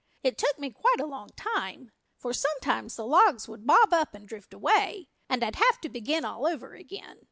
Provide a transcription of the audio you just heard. "It took me quite a long time, for sometimes the logs would bob up and drift away, and I'd have to begin all over again.